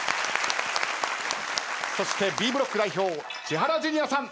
そしてＢブロック代表千原ジュニアさん。